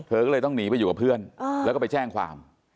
เธอก็เลยต้องหนีไปอยู่กับเพื่อนแล้วก็ไปแจ้งความ